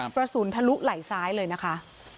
ประสูญทะลุไหล้ซ้ายเลยนะคะ